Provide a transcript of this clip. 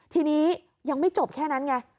ทีนี้ยังไม่จบแค่นั้นไง